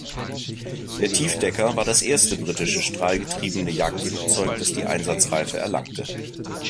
Der Tiefdecker war das erste britische strahlgetriebene Jagdflugzeug, das die Einsatzreife erlangte.